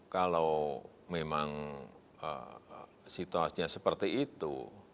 kalau memang situasinya seperti itu